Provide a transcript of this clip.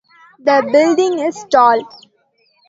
The building is tall.